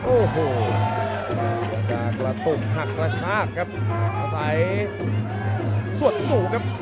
โอ้โหพยายามจะกระตุ่มหักมากครับเอาใส่สวดสูงครับ